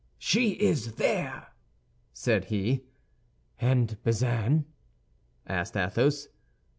"She is there," said he. "And Bazin?" asked Athos.